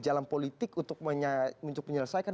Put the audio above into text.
jalan politik untuk menyelesaikan